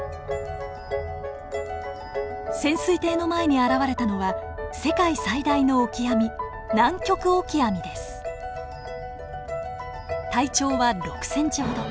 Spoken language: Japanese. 潜水艇の前に現れたのは世界最大のオキアミ体長は６ｃｍほど。